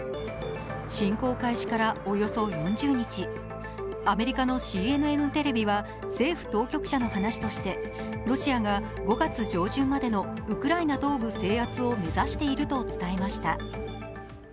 侵攻開始からおよそ４０日アメリカのＣＮＮテレビは政府当局者の話として、ロシアが５月上旬までのウクライナ東部の制圧を目指していると伝えました。